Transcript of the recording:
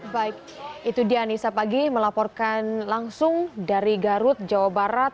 baik itu dia anissa pagi melaporkan langsung dari garut jawa barat